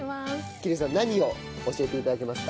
桐生さん何を教えて頂けますか？